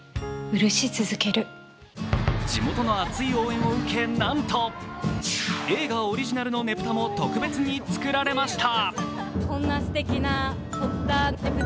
地元の熱い応援を受け、なんと映画オリジナルのねぷたも特別に作られました。